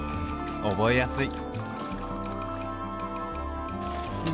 覚えやすい！